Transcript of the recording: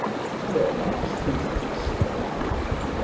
And at last who should he see but